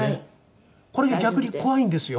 これが逆に怖いんですよ